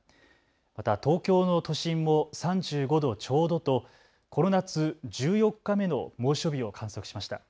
また東京の都心も３５度ちょうどとこの夏１４日目の猛暑日を観測しました。